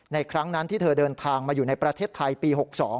ครั้งนั้นที่เธอเดินทางมาอยู่ในประเทศไทยปี๖๒